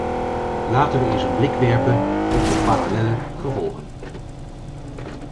Laten wij eens een blik werpen op de parallelle gevolgen.